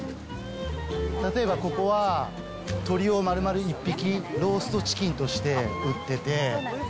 例えばここは、鶏を丸々一匹ローストチキンとして売ってて。